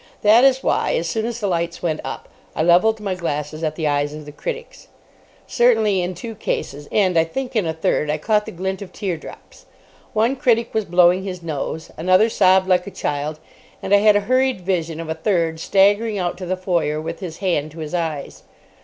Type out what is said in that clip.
That is why, as soon as the lights went up, I levelled my glasses at the eyes of the critics. Certainly in two cases, and, I think, in a third, I caught the glint of tear drops. One critic was blowing his nose, another sobbed like a child, and I had a hurried vision of a third staggering out to the foyer with his hand to his eyes.